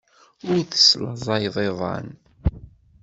Ur teslaẓayeḍ iḍan.